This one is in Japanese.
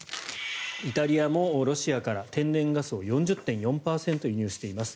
イタリアもロシアから天然ガスを４０．４％輸入しています。